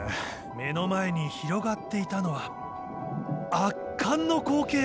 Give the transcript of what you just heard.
目の前に広がっていたのは圧巻の光景。